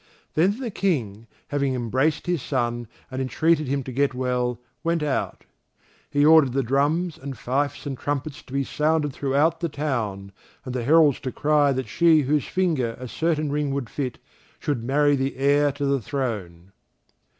Then the King, having embraced his son, and entreated him to get well, went out. He ordered the drums and fifes and trumpets to be sounded throughout the town, and the heralds to cry that she whose finger a certain ring would fit should marry the heir to the throne.